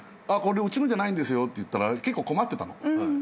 「これうちのじゃないんですよ」って言ったら結構困ってたの。